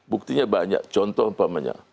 buktinya banyak contoh apamanya